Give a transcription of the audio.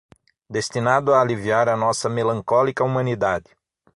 destinado a aliviar a nossa melancólica humanidade